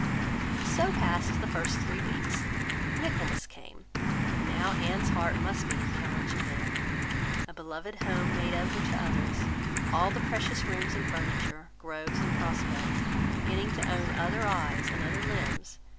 So passed the first three weeks. Michaelmas came; and now Anne's heart must be in Kellynch again. A beloved home made over to others; all the precious rooms and furniture, groves, and prospects, beginning to own other eyes and other limbs!